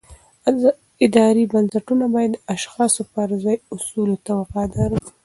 اداري بنسټونه باید د اشخاصو پر ځای اصولو ته وفادار وي